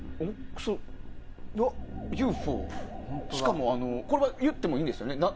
しかもこれは言ってもいいんですよね。